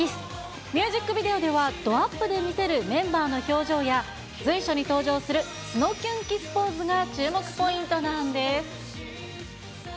ミュージックビデオでは、ドアップで見せるメンバーの表情や随所に登場するスノキュンｋｉｓｓポーズが注目ポイントなんです。